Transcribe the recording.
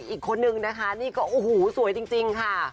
อีกคนนึงนะคะนี่ก็โอ้โหสวยจริงค่ะ